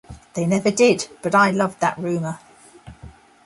They never did, but I loved that rumor.